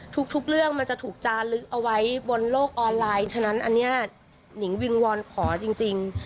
ทุกเรื่องมันจะถูกจาลึกเอาไว้บนโลกออนไลน์ฉะนั้นอันนี้หนิงวิงวอนขอจริง